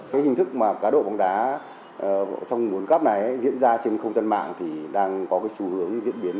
cái hình thức mà cá độ bóng đá trong cuốn góp này diễn ra trên không gian mạng thì đang có cái xu hướng diễn biến